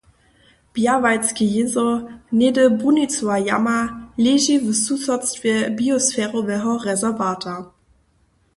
Bjerwałdski jězor, něhdy brunicowa jama, leži w susodstwje biosferoweho rezerwata.